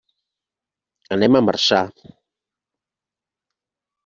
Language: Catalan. Anem a Marçà.